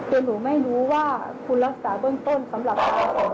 ให้ในเมื่อคุณรู้ว่าคุณไม่พร้อมที่จะรักษาเด็ก